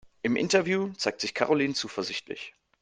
Im Interview zeigt sich Karoline zuversichtlich.